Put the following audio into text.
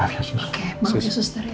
maaf ya suster